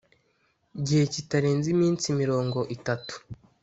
gihe kitarenze iminsi mirongo itatu